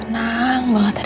vesel yang bikin black sijab